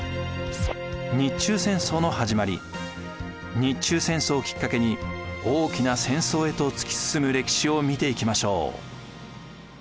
日中戦争をきっかけに大きな戦争へと突き進む歴史を見ていきましょう。